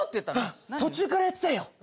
うん途中からやってたよ。